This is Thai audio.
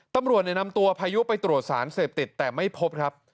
ตำรวจนำตัวพายุไปตรวจสารเสพติดแต่ไม่พบครับ